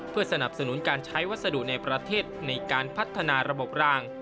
เพื่อสนับสนุนการใช้วัสดุในประเทศในการพัฒนาระบบราง